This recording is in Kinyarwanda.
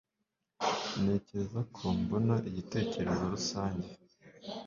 ntekereza ko mbona igitekerezo rusange